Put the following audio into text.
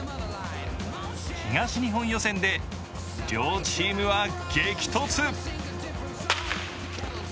東日本予選で両チームは激突。